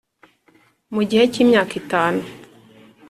mu gihe cy'imyaka itanu